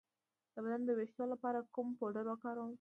د بدن د ویښتو لپاره کوم پوډر وکاروم؟